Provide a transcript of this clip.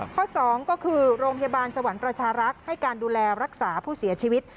ข้อ๒ก็คือโรงพยาบาลสวรรค์ประชารักษ์ให้การดูแลรักษาผู้เสียชีวิต